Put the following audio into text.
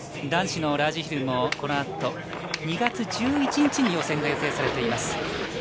男子のラージヒルの、このあと２月１１日に予選が予定されています。